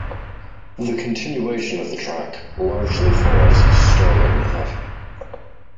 The continuation of the track largely follows Sterling Avenue.